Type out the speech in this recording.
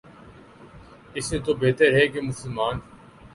اس سے تو بہتر ہے کہ مسلمان